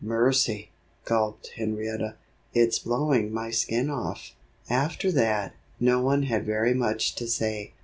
"Mercy!" gulped Henrietta, "it's blowing my skin off." After that, no one had very much to say.